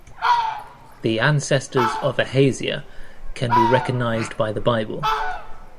The ancestors of Ahaziah can be recognized by the Bible.